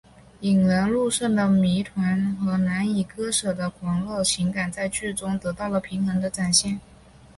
引人入胜的谜团和难以割舍的狂热情感在剧中得到了平衡的展现。